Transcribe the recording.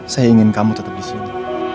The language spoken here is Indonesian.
saya ingin kamu tetap disini